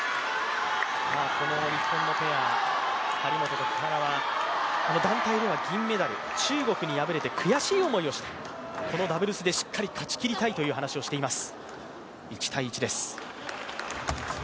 この日本のペア、張本と木原は団体では銀メダル中国に敗れて悔しい思いをした、このダブルスでしっかり勝ちきりたいという話をしています。